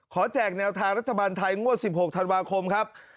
แจกแนวทางรัฐบาลไทยงวด๑๖ธันวาคมครับ